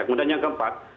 kemudian yang keempat